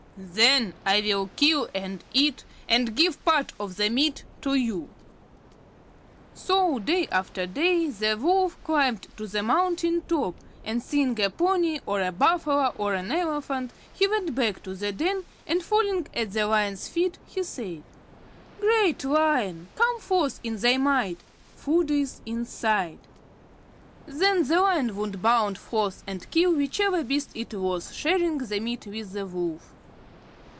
Then I will kill and eat, and give part of the meat to you." So day after day the Wolf climbed to the mountain top, and seeing a pony, or a buffalo, or an elephant, he went back to the den, and falling at the Lion's feet he said: "Great Lion, come forth in thy might. Food is in sight." Then the Lion would bound forth and kill whichever beast it was, sharing the meat with the Wolf.